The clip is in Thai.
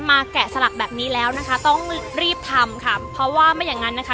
แกะสลักแบบนี้แล้วนะคะต้องรีบทำค่ะเพราะว่าไม่อย่างนั้นนะคะ